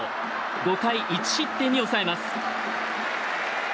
５回１失点に抑えます。